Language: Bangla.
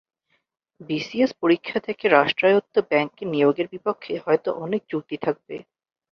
বিসিএস পরীক্ষা থেকে রাষ্ট্রায়ত্ত ব্যাংকে নিয়োগের বিপক্ষে হয়তো অনেক যুক্তি থাকবে।